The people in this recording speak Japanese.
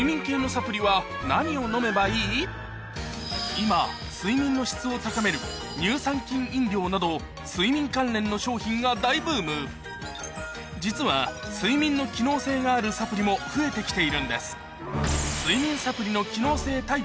今睡眠の質を高める乳酸菌飲料など睡眠関連の商品が大ブーム実は睡眠の機能性があるサプリも増えてきているんです